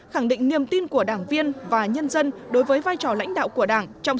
khẳng định niềm tin của đảng viên và nhân dân đối với vai trò lãnh đạo của đảng trong